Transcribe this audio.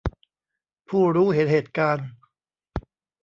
ผู้รู้เห็นเหตุการณ์